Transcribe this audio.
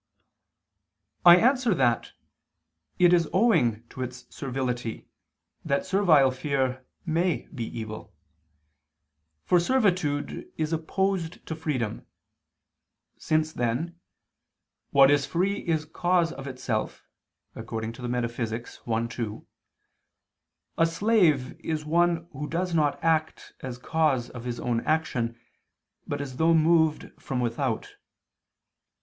I answer that, It is owing to its servility that servile fear may be evil. For servitude is opposed to freedom. Since, then, "what is free is cause of itself" (Metaph. i, 2), a slave is one who does not act as cause of his own action, but as though moved from without.